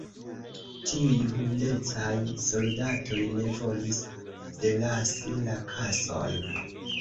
Tiuj hundecaj soldatoj ne volis delasi la kason.